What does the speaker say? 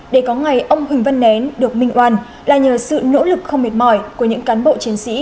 để có ngày ông huỳnh văn nén được minh oan là nhờ sự nỗ lực không mệt mỏi của những cán bộ chiến sĩ